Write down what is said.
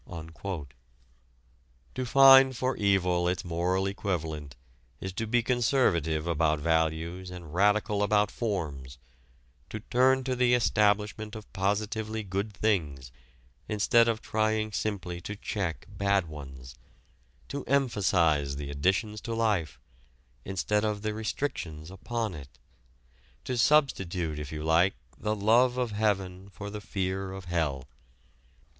To find for evil its moral equivalent is to be conservative about values and radical about forms, to turn to the establishment of positively good things instead of trying simply to check bad ones, to emphasize the additions to life, instead of the restrictions upon it, to substitute, if you like, the love of heaven for the fear of hell.